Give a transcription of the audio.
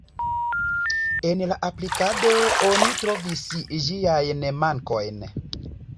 En la aplikado oni trovis ĝiajn mankojn.